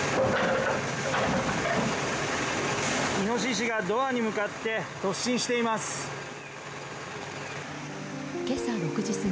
イノシシがドアに向かって突進しています。